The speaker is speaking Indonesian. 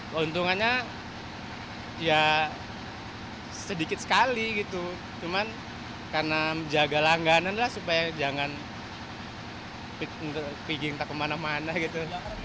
keuntungannya ya sedikit sekali gitu cuman karena menjaga langganan lah supaya jangan pigging tak kemana mana gitu